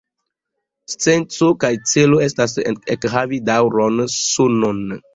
Senco kaj celo estas ekhavi daŭran sonon.